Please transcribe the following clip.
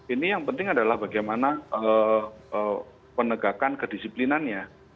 ini yang penting adalah bagaimana penegakan kedisiplinannya